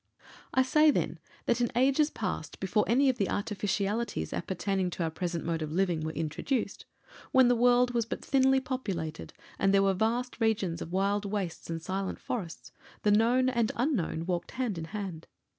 I say, then, that in ages past, before any of the artificialities appertaining to our present mode of living were introduced; when the world was but thinly populated and there were vast regions of wild wastes and silent forests, the Known and Unknown walked hand in hand.